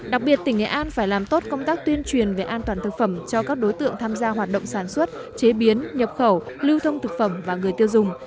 đặc biệt tỉnh nghệ an phải làm tốt công tác tuyên truyền về an toàn thực phẩm cho các đối tượng tham gia hoạt động sản xuất chế biến nhập khẩu lưu thông thực phẩm và người tiêu dùng